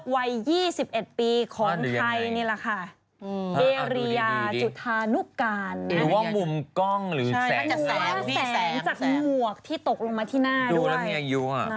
มีแสงจากหมวกที่ตกลงมาที่หน้าด้วย